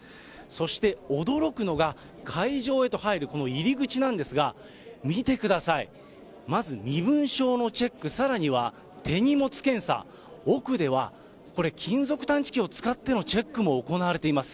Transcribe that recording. そして驚くのが、会場へと入るこの入り口なんですが、見てください、まず身分証のチェック、さらには手荷物検査、奥では、これ、金属探知機を使ってのチェックも行われています。